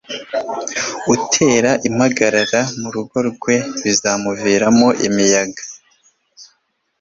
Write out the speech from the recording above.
utera impagarara mu rugo rwe, bizamuviramo umuyaga